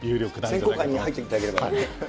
選考会に入っていただければ。